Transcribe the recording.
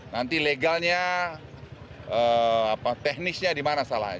nanti legalnya teknisnya di mana salahnya